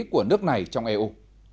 của nước này trong eu